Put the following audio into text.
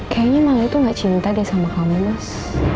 kayaknya male itu gak cinta deh sama kamu mas